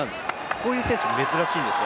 こういう選手、珍しいんですよ。